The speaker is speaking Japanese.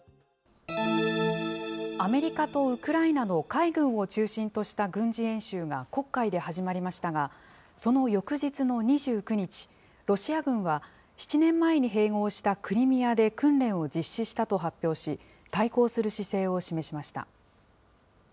アメリカとウクライナの海軍を中心とした軍事演習が黒海で始まりましたが、その翌日の２９日、ロシア軍は７年前に併合したクリミアで訓練を実施したと発表し、対抗する姿勢を示しました。